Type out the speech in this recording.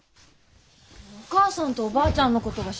お母さんとおばあちゃんのことが心配で。